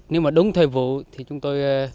nếu mà đúng thời vụ thì chúng tôi